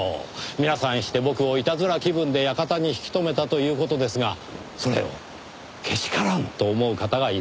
皆さんして僕をいたずら気分で館に引き留めたという事ですがそれをけしからん！と思う方がいらっしゃった。